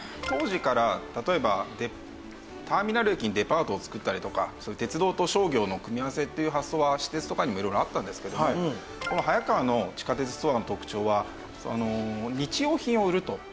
当時から例えばターミナル駅にデパートをつくったりとかそういう鉄道と商業の組み合わせという発想は私鉄とかにも色々あったんですけどもこの早川の地下鉄ストアの特徴は日用品を売ると。